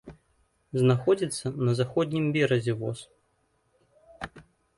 Знаходзіцца на заходнім беразе воз.